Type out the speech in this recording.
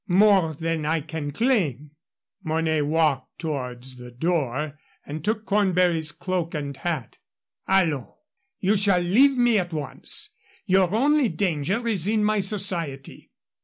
More than I can claim." Mornay walked towards the door and took Cornbury's cloak and hat. "Allons! You shall leave me at once. Your only danger is in my society.